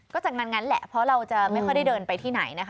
ก็จากนั้นแหละเพราะเราจะไม่ค่อยได้เดินไปที่ไหนนะคะ